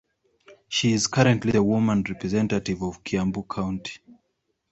She is currently the woman representative of Kiambu County.